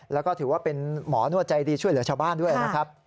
แล้วก็ถือว่าเป็นหมอนวดใจดีช่วยเหลือชาวบ้านด้วยนะครับ